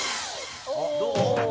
どう？